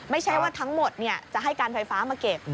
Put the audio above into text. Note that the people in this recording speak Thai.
ไม่ใช่ว่าทั้งหมดจะให้การไฟฟ้ามาเก็บ